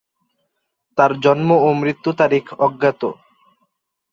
তার জন্ম ও মৃত্যু তারিখ অজ্ঞাত।